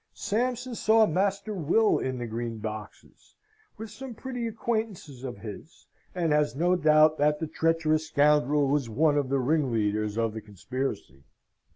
Sampson saw Master Will in the green boxes, with some pretty acquaintances of his, and has no doubt that the treacherous scoundrel was one of the ringleaders in the conspiracy.